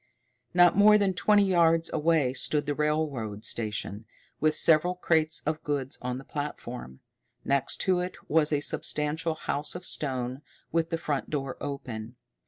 Not more than twenty yards away stood the railroad station, with several crates of goods on the platform. Next to it was a substantial house of stone, with the front door open.